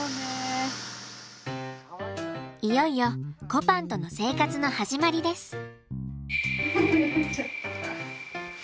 いよいよこぱんとの生活の始まりです。